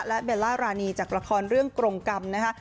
และเบลล่ารานีจากละครเรื่องกรงกรรมนะคะ